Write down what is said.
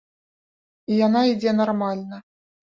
І яна ідзе нармальна.